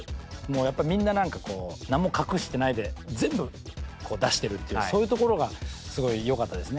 やっぱみんな何かこう何も隠してないで全部こう出してるっていうそういうところがすごいよかったですね。